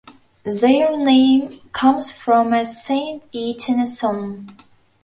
Their name comes from a Saint Etienne song.